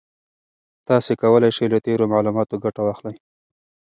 تاسي کولای شئ له تېرو معلوماتو ګټه واخلئ.